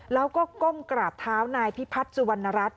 แล้วก็ก้มกราบเท้านายพิพัฒน์สุวรรณรัฐ